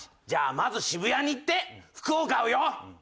じゃあまず渋谷に行って服を買うよ。